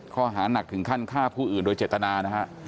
ข้อหานักถึงขั้นฆ่าผู้อื่นโดยเจตนานะฮะ